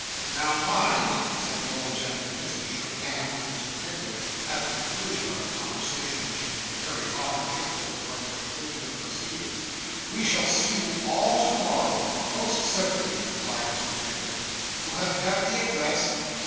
'Now, mind,' said the old gentleman, as he shook hands with Mr. Pickwick at the conclusion of a conversation which had been carried on at intervals, during the conclusion of the proceedings, 'we shall see you all to morrow.' 'Most certainly,' replied Mr. Pickwick. 'You have got the address?